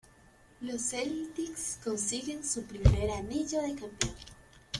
Los Celtics consiguieron su primer anillo de campeón.